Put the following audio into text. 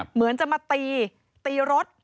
เหมือนจะมาตีตีรถ